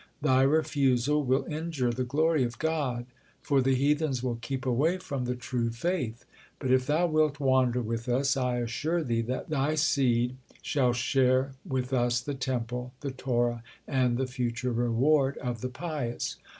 Thy refusal will injure the glory of God, for the heathens will keep away from the true faith. But if thou wilt wander with us, I assure thee that they seed shall share with us the Temple, the Torah, and the future reward of the pious.